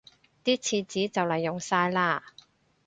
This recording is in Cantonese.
啲廁紙就黎用晒喇